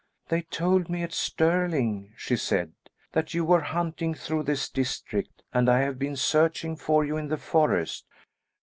"They told me at Stirling," she said, "that you were hunting through this district, and I have been searching for you in the forest."